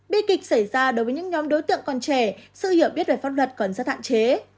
bi kịch xảy ra đối với những nhóm đối tượng còn trẻ sự hiểu biết về pháp luật còn rất hạn chế